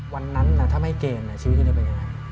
วันนั้นถ้าไม่เกรงชีวิตนี้เป็นยังไง